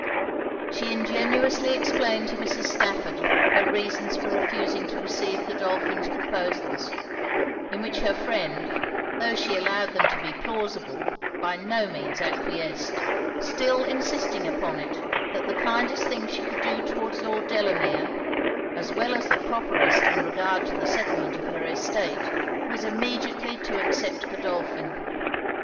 She ingenuously explained to Mrs. Stafford her reasons for refusing to receive Godolphin's proposals; in which her friend, tho' she allowed them to be plausible, by no means acquiesced; still insisting upon it, that the kindest thing she could do towards Lord Delamere, as well as the properest in regard to the settlement of her estate, was immediately to accept Godolphin.